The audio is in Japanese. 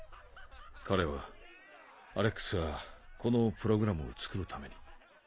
彼はアレックスはこのプログラムを作るために。